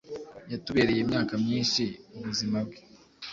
Yatubereye imyaka myinhi, ubuzima bwe